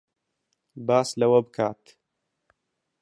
باس لەوە بکات